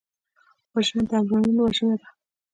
وژنه د ارمانونو وژنه ده